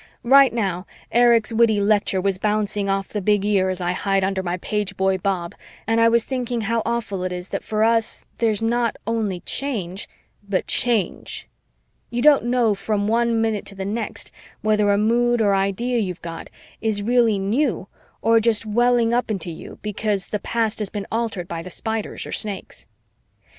Right now, Erich's witty lecture was bouncing off the big ears I hide under my pageboy bob and I was thinking how awful it is that for us that there's not only change but Change. You don't know from one minute to the next whether a mood or idea you've got is really new or just welling up into you because the past has been altered by the Spiders or Snakes.